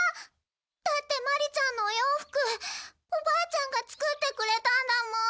だってマリちゃんのお洋服おばあちゃんが作ってくれたんだもん。